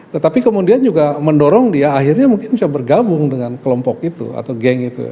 tetapi kemudian juga mendorong dia akhirnya mungkin bisa bergabung dengan kelompok itu atau geng itu